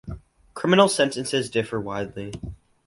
Criminal sentences differ widely.